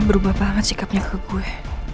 berubah banget sikapnya ke gue